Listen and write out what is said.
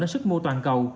đến sức mua toàn cầu